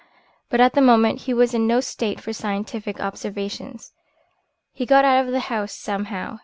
But at the moment he was in no state for scientific observations. He got out of the house somehow.